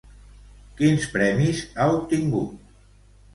Quins premis ha obtingut?